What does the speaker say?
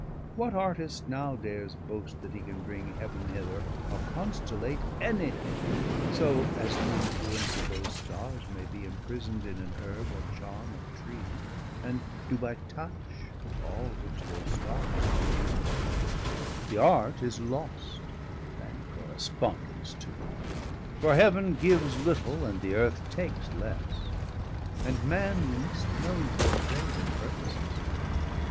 390 What Artist now dares boast that he can bring Heaven hither, or constellate any thing, So as the influence of those starres may bee Imprison'd in an Hearbe, or Charme, or Tree, And doe by touch, all which those stars could doe? 395 The art is lost, and correspondence too. For heaven gives little, and the earth takes lesse, And man least knowes their trade and purposes.